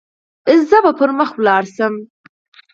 زه به پر مخ ولاړ شم.